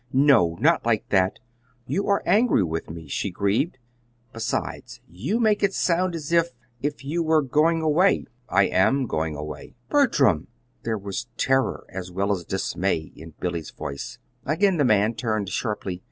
"No, not like that. You are angry with me," she grieved. "Besides, you make it sound as if if you were going away." "I am going away." "Bertram!" There was terror as well as dismay in Billy's voice. Again the man turned sharply.